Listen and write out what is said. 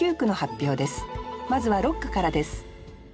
まずは六句からです